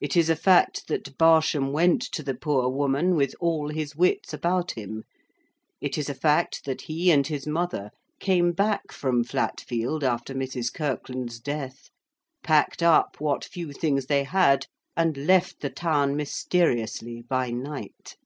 It is a fact that Barsham went to the poor woman with all his wits about him. It is a fact that he and his mother came back from Flatfield after Mrs. Kirkland's death, packed up what few things they had, and left the town mysteriously by night.